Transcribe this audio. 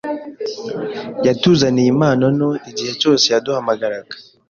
Yatuzaniye impano nto igihe cyose yaduhamagaraga.